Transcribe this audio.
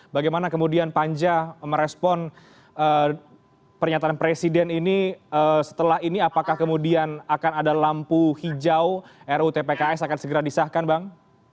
bagaimana kemudian panja merespon pernyataan presiden ini setelah ini apakah kemudian akan ada lampu hijau rutpks akan segera disahkan bang